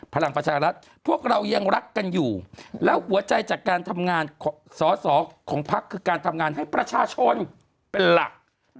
พลังประชารัฐพวกเรายังรักกันอยู่แล้วหัวใจจากการทำงานสอสอของพักคือการทำงานให้ประชาชนเป็นหลัก